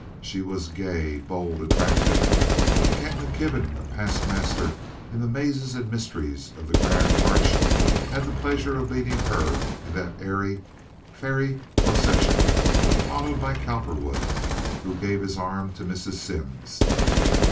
She was gay, bold, attractive. Kent McKibben, a past master in the mazes and mysteries of the grand march, had the pleasure of leading her in that airy, fairy procession, followed by Cowperwood, who gave his arm to Mrs. Simms.